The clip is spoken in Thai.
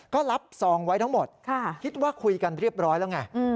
ก็รับซองไว้ทั้งหมดคิดว่าคุยกันเรียบร้อยแล้วไง